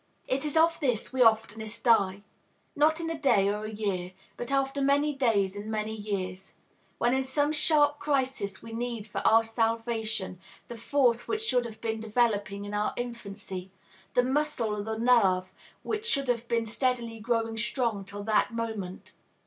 It is of this, we oftenest die, not in a day or a year, but after many days and many years; when in some sharp crisis we need for our salvation the force which should have been developing in our infancy, the muscle or the nerve which should have been steadily growing strong till that moment.